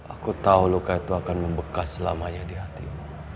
aku tahu luka itu akan membekas selamanya di hatimu